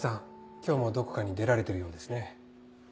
今日もどこかに出られてるようですね。